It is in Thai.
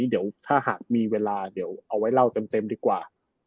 เดี๋ยวถ้าหากมีเวลาเดี๋ยวเอาไว้เล่าเต็มดีกว่า